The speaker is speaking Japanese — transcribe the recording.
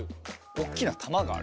おっきなたまがある。